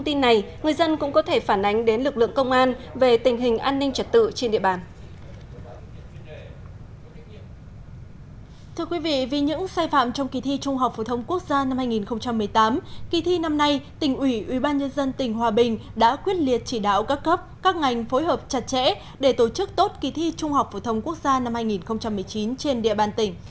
thưa quý vị vì những sai phạm trong kỳ thi trung học phổ thông quốc gia năm hai nghìn một mươi tám kỳ thi năm nay tỉnh ủy ubnd tỉnh hòa bình đã quyết liệt chỉ đạo các cấp các ngành phối hợp chặt chẽ để tổ chức tốt kỳ thi trung học phổ thông quốc gia năm hai nghìn một mươi chín trên địa bàn tỉnh